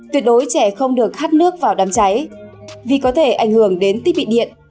tuyệt đối trẻ không được hắt nước vào đám cháy vì có thể ảnh hưởng đến thiết bị điện